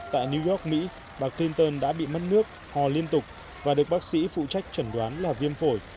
tại new york mỹ bà clinton đã bị mất nước hò liên tục và được bác sĩ phụ trách chẩn đoán là viêm phổi